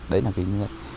đấy là kỹ thuật